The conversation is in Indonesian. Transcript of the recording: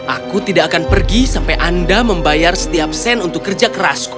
aku tidak akan pergi sampai anda membayar setiap sen untuk kerja kerasku